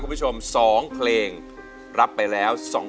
คุณผู้ชม๒เพลงรับไปแล้ว